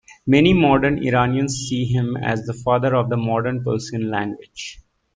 Many modern Iranians see him as the father of the modern Persian language.